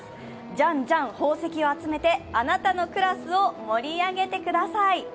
じゃんじゃん宝石を集めてあなたのクラスを盛り上げてください。